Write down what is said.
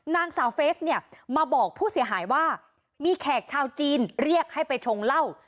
นางสาวเฟสเนี่ยมาบอกผู้เสียหายว่ามีแขกชาวจีนเรียกให้ไปชงเหล้า